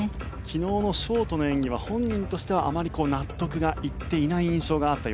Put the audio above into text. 昨日のショートの演技は本人としてはあまり納得がいっていない印象があったようなんですね。